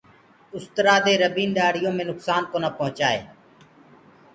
اُسترآ دي ربيٚن ڏآڙهيو مي نُڪسآن ڪونآ پوهچآئي۔